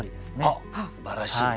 あっすばらしい。